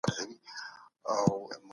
تاسي باید خپل کوڅې پاکي وساتئ.